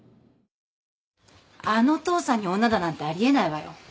あの父さんに女だなんてあり得ないわよ。